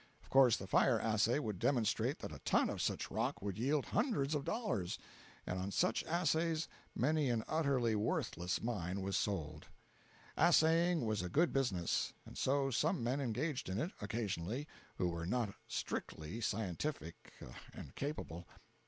Of course the fire assay would demonstrate that a ton of such rock would yield hundreds of dollars—and on such assays many an utterly worthless mine was sold. Assaying was a good business, and so some men engaged in it, occasionally, who were not strictly scientific and capable.